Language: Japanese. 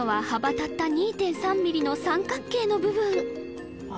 たった２．３ミリの三角形の部分あ